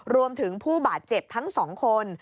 รวมถึงผู้บาดเจ็บทั้ง๒คน